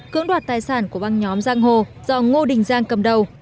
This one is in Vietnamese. cưỡng đoạt tài sản của băng nhóm giang hồ do ngô đình giang cầm đầu